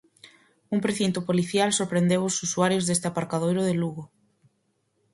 Un precinto policial sorprendeu os usuarios deste aparcadoiro de Lugo.